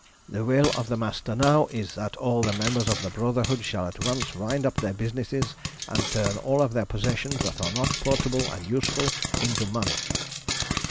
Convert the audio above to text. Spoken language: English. The will of the Master now is that all the members of the Brotherhood shall at once wind up their businesses, and turn all of their possessions that are not portable and useful into money.